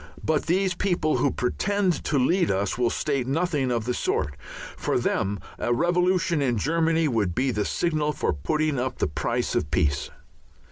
But these people who pretend to lead us will state nothing of the sort. For them a revolution in Germany would be the signal for putting up the price of peace.